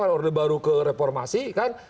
ada order baru ke reformasi kan